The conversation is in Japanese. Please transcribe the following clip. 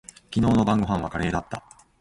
昨日の晩御飯はカレーだった。